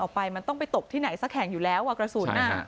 เห็นฮะเหมือนต้นไปตกที่ไหนซะแข็งอยู่แล้วกระสุนนะ